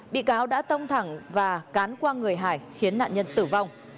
bị cáo đã tông thẳng và cán qua người hải khiến nạn nhân tử vong